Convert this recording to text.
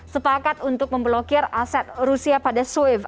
sepakat untuk memblokir aset rusia pada swift